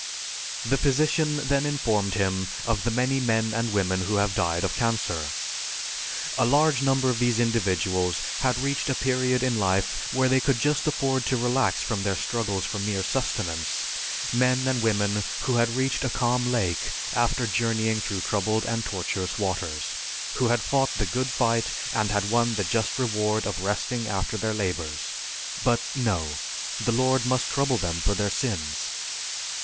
The physician then informed him of the many men and women who have died of cancer. A large number of these individuals had reached a period in life where they could just afford to relax from their struggles for mere sustenance; men and women who had reached a calm lake after journeying through troubled and tortuous waters; who had fought the "good fight," and had won the just reward of resting after their labors. But no, the Lord must trouble them for their sins.